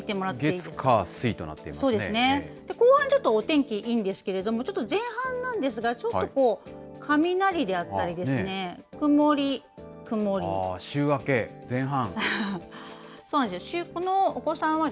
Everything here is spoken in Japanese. ここらへんはちょっとお天気いいんですけれども、ちょっと前半なんですが、ちょっとこう、雷であったりですね、曇週明け前半。